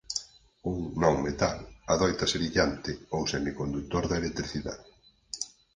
Un non metal adoita ser illante ou semicondutor da electricidade.